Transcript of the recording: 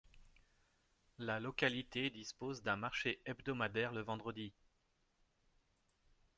La localité dispose d'un marché hebdomadaire le vendredi.